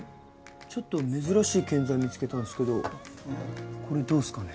ちょっと珍しい建材見つけたんすけどこれどうっすかね？